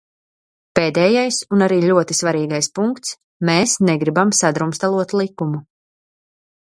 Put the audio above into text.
Pēdējais un arī ļoti svarīgais punkts: mēs negribam sadrumstalot likumu.